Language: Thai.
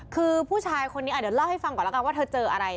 คือผู้ชายคนนี้เดี๋ยวเล่าให้ฟังก่อนแล้วกันว่าเธอเจออะไร